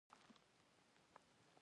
د پکتیکا جلغوزي ډیر کیفیت لري.